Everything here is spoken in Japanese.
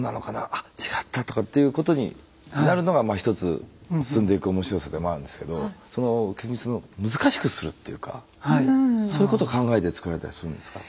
あ違った」とかっていうことになるのがまあ一つ進んでいく面白さでもあるんですけどその結局その難しくするっていうかそういうこと考えて作られたりするんですか？